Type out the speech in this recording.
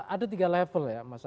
ada tiga level ya